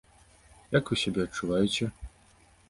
Як вы сябе адчуваеце?